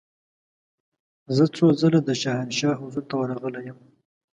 زه څو ځله د شاهنشاه حضور ته ورغلې یم.